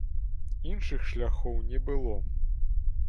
Іншых шляхоў не было.